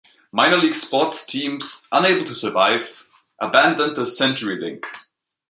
Minor league sports teams, unable to survive, abandoned the CenturyLink.